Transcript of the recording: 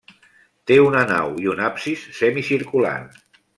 Té una nau i un absis semicircular.